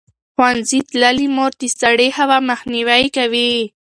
ښوونځې تللې مور د سړې هوا مخنیوی کوي.